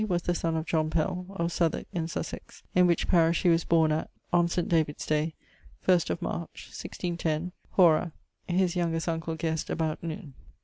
was the son of John Pell, ... of Southwyck in Sussex, in which parish he was borne, at ..., on St. David's day (1st of March) 1610, horâ ... (his youngest uncle guessed about noon).